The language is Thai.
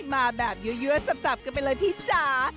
มาแบบเยอะสับกันไปเลยพี่จ๋า